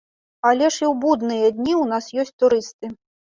Але ж і ў будныя дні ў нас ёсць турысты.